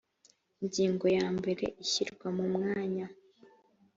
ingingo ya mbere ishyirwa mu mwanya